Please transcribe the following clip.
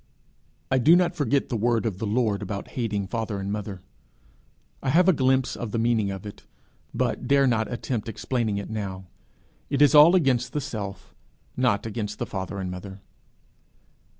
I do not forget the word of the Lord about hating father and mother: I have a glimpse of the meaning of it, but dare not attempt explaining it now. It is all against the self not against the father and mother.